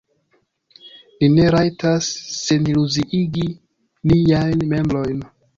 Ni ne rajtas seniluziigi niajn membrojn!